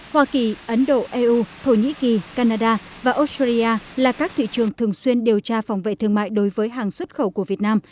hoa kỳ ấn độ eu thổ nhĩ kỳ canada và australia là các thị trường thường xuyên điều tra phòng vệ thương mại đối với hàng xuất khẩu của việt nam